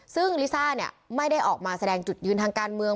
ซึ่งลิซ่าเนี่ยไม่ได้ออกมาแสดงจุดยืนทางการเมือง